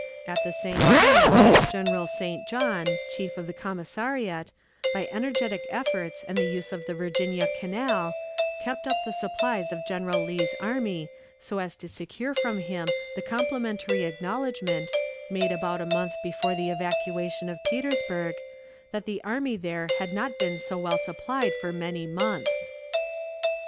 At the same time, General St. John, chief of the commissariat, by energetic efforts and the use of the Virginia Canal, kept up the supplies of General Lee's army, so as to secure from him the complimentary acknowledgment, made about a month before the evacuation of Petersburg, that the army there had not been so well supplied for many months.